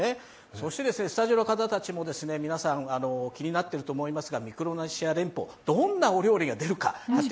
そして、スタジオの方たちも皆さん気になっていると思いますが、ミクロネシア連邦、どんなお料理が出るのか。